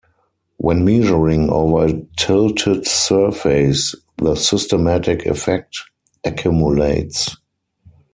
When measuring over a tilted surface, the systematic effect accumulates.